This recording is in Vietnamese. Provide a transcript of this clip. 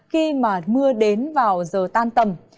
khi mà mưa đến vào giờ tan tầm